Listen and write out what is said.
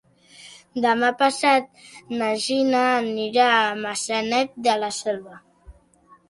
Demà passat na Gina anirà a Maçanet de la Selva.